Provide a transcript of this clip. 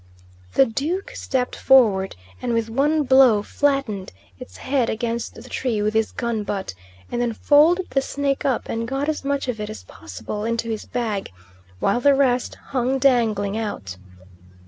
The Duke stepped forward and with one blow flattened its head against the tree with his gun butt, and then folded the snake up and got as much of it as possible into his bag, while the rest hung dangling out.